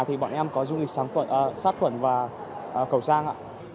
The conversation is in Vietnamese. thì bọn em có du lịch sát khuẩn và cầu trang